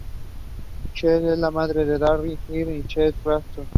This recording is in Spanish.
Cheryl es la madre de Darryl, Heath y Casey Braxton.